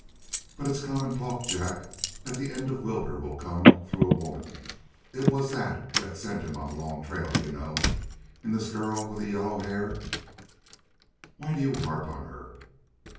"But it's common talk, Jack, that the end of Wilbur will come through a woman. It was that that sent him on the long trail, you know. And this girl with the yellow hair " "Why do you harp on her?"